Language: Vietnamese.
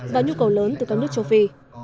và nhu cầu lớn từ các nước châu phi